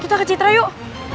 kita ke citra yuk